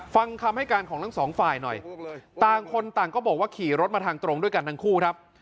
ฟังคำให้การของทั้งสองฝ่ายหน่อยต่างคนต่างก็บอกว่าขี่รถมาทางตรงด้วยกันทั้งคู่ครับ